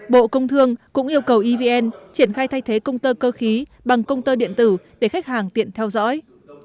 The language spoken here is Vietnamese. bộ công thương cũng yêu cầu evn triển khai thay thế công tơ cơ khí bằng công tơ điện tử để khách hàng tiện theo dõi